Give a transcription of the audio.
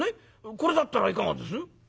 これだったらいかがです？」。